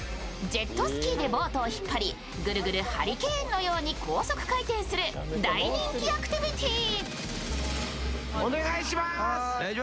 ジェットスキーでボート引っ張りグルグル、ハリケーンのように高速回転する大人気アクティビティー。